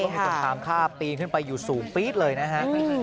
ต้องกดความค่าปีนขึ้นไปอยู่สูงปี๊ดเลยนะฮะ